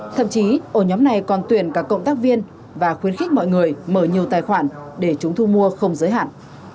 thậm chí ổ nhóm này còn tuyển cả cộng tác viên và khuyến khích mọi người mở nhiều tài khoản để chúng thu mua không giới hạn